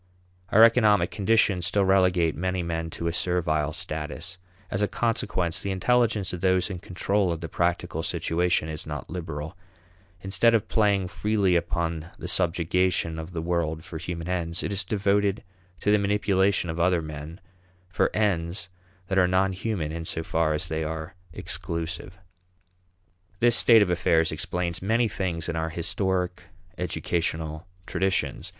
Our economic conditions still relegate many men to a servile status. As a consequence, the intelligence of those in control of the practical situation is not liberal. Instead of playing freely upon the subjugation of the world for human ends, it is devoted to the manipulation of other men for ends that are non human in so far as they are exclusive. This state of affairs explains many things in our historic educational traditions.